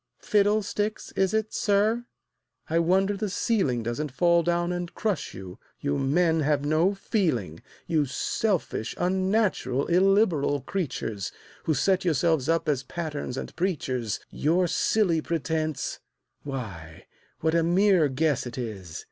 "Fiddlesticks, is it, sir? I wonder the ceiling Doesn't fall down and crush you you men have no feeling; You selfish, unnatural, illiberal creatures, Who set yourselves up as patterns and preachers, Your silly pretense why, what a mere guess it is!